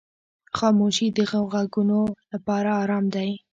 خاموشي د غوږو لپاره آرام دی.